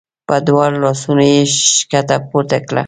په دواړو لاسونو یې ښکته پورته کړ.